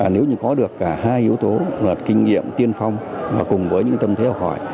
nếu như có được cả hai yếu tố luật kinh nghiệm tiên phong cùng với những tâm thế học hỏi